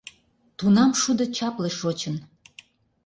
Тунам шудо чапле шочын.